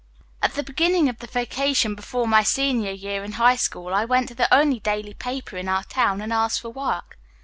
At the beginning of the vacation before my senior year in high school I went to the only daily paper in our town and asked for work.